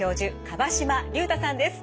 川島隆太さんです。